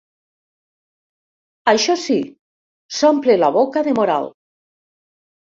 Això sí, s'omple la boca de moral.